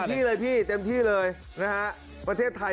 เตรียมที่เลยนะครับประเทศไทย